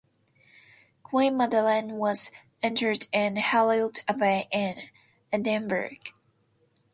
Queen Madeleine was interred in Holyrood Abbey in Edinburgh.